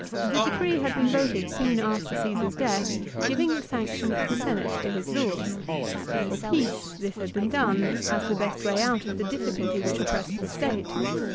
The decree had been voted soon after Caesar's death giving the sanction of the Senate to his laws. For peace this had been done, as the best way out of the difficulty which oppressed the State.